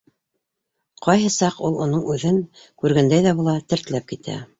Ҡайһы саҡ ул уның үҙен күргәндәй ҙә була - тертләп китә.